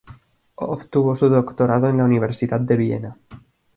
Obtuvo su doctorado en la Universidad de Viena.